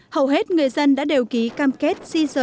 hầu hết người dân đã đều ký cam kết